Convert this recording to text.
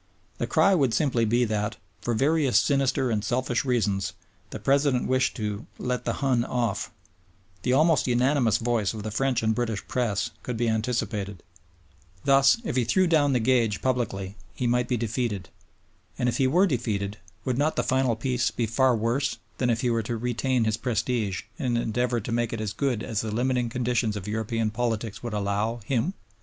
The cry would simply be that, for various sinister and selfish reasons, the President wished "to let the Hun off." The almost unanimous voice of the French and British Press could be anticipated. Thus, if he threw down the gage publicly he might be defeated. And if he were defeated, would not the final Peace be far worse than if he were to retain his prestige and endeavor to make it as good as the limiting conditions of European politics would allow, him?